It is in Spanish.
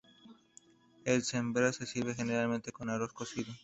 El Sambar se sirve generalmente con arroz cocido.